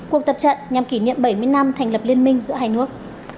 cuộc tập trận nhằm kỷ niệm bảy mươi năm thành lập liên minh giữa hai nước